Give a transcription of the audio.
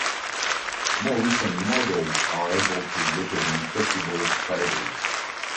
More recent models are able to represent flexible fibers.